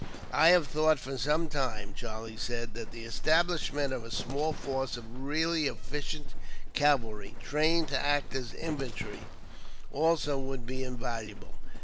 "I have thought for some time," Charlie said, "that the establishment of a small force of really efficient cavalry, trained to act as infantry, also, would be invaluable.